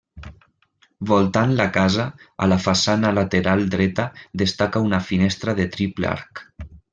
Voltant la casa, a la façana lateral dreta destaca una finestra de triple arc.